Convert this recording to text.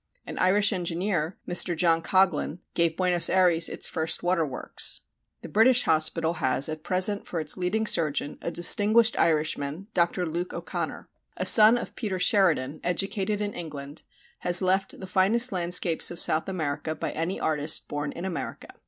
An Irish engineer, Mr. John Coghlan, gave Buenos Ayres its first waterworks. The British hospital has at present for its leading surgeon a distinguished Irishman, Dr. Luke O'Connor. A son of Peter Sheridan, educated in England, has left the finest landscapes of South America by any artist born in America.